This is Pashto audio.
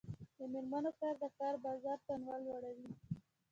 د میرمنو کار د کار بازار تنوع لوړوي.